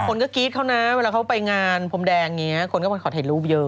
คนก็กรี๊ดเขานะเวลาเขาไปงานพรมแดงอย่างนี้คนก็มาขอถ่ายรูปเยอะ